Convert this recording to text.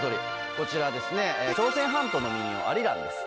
こちら朝鮮半島の民謡『アリラン』です。